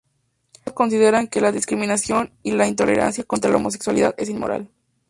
Todos consideran que la discriminación y la intolerancia contra los homosexuales es inmoral.